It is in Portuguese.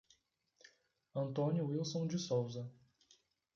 Antônio Wilson de Souza